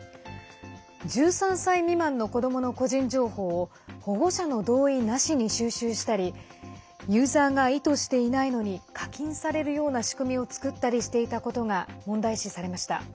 １３歳未満の子どもの個人情報を保護者の同意なしに収集したりユーザーが意図していないのに課金されるような仕組みを作ったりしていたことが問題視されました。